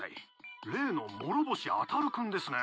例の諸星あたる君ですね。